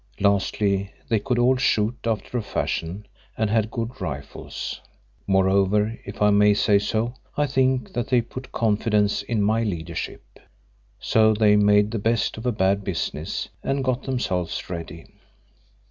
Lastly, they could all shoot after a fashion and had good rifles; moreover if I may say so, I think that they put confidence in my leadership. So they made the best of a bad business and got themselves ready.